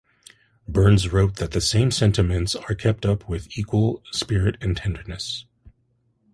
Burns wrote that "The same sentiments are kept up with equal spirit and tenderness".